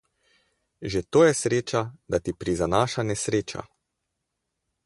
Že to je sreča, da ti prizanaša nesreča.